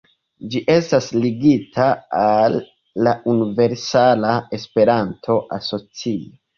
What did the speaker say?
Ĝi estas ligita al la Universala Esperanto-Asocio.